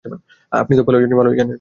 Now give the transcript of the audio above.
আপনি তো ভালোই জানেন।